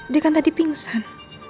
dia kan tadi pingsan